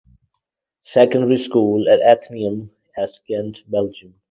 Secondary School at Atheneum at Ghent, Belgium.